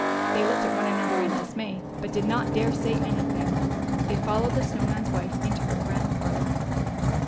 They looked at one another in dismay, but did not dare say anything. They followed the Snow Man's wife into her grand parlor.